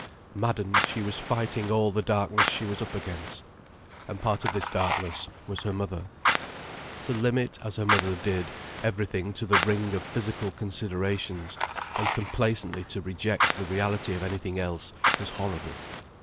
Maddened, she was fighting all the darkness she was up against. And part of this darkness was her mother. To limit, as her mother did, everything to the ring of physical considerations, and complacently to reject the reality of anything else, was horrible.